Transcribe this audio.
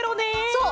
そう！